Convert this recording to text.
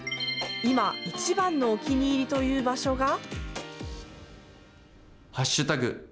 今一番のお気に入りという場所が。